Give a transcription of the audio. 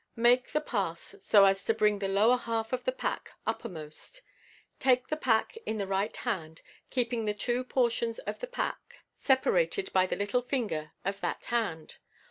— Make the pass so as to bring the lower half of the pack uppermost. Take the pack in the right hand, keeping the two por tions of the pack separated by the little ringer of that hand.